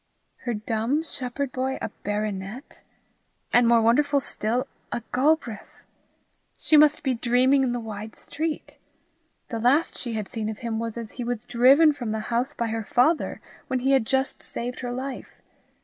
Her dumb shepherd boy a baronet! and, more wonderful still, a Galbraith! She must be dreaming in the wide street! The last she had seen of him was as he was driven from the house by her father, when he had just saved her life.